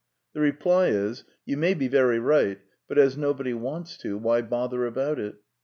The reply is ''You may be very right; but as nobody wants to, why bother about it?''